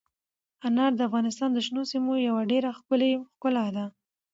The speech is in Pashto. انار د افغانستان د شنو سیمو یوه ډېره ښکلې ښکلا ده.